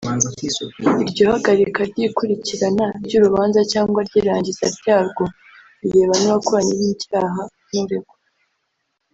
Iryo hagarika ry’ikurikirana ry’urubanza cyangwa ry’irangiza ryarwo bireba n’uwakoranye icyaha n’uregwa